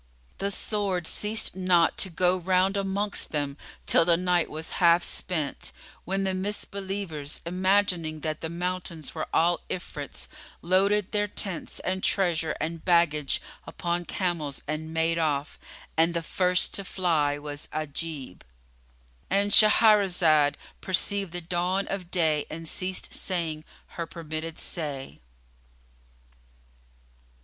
The sword ceased not to go round amongst them till the night was half spent, when the Misbelievers, imagining that the mountains were all Ifrits, loaded their tents and treasure and baggage upon camels and made off; and the first to fly was Ajib.——And Shahrazad perceived the dawn of day and ceased saying her permitted say.